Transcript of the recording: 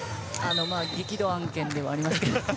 激怒案件ではありますけど。